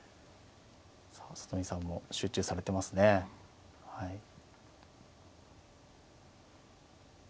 さあ里見さんも集中されてますねはい。